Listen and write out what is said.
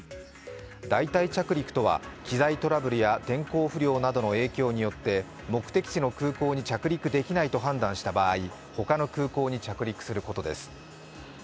代替着陸とは、機材トラブルや天候不良などの影響によって目的地の空港に着陸できないと判断した場合、他の空港に着陸することです。